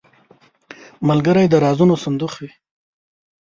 ملګری د رازونو صندوق وي